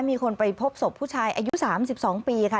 มีคนไปพบศพผู้ชายอายุ๓๒ปีค่ะ